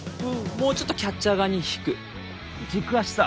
もうちょっとキャッチャー側に引く軸足さ